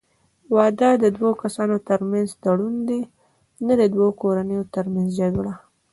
واده د دوه کسانو ترمنځ تړون دی، نه د دوو کورنیو ترمنځ جګړه.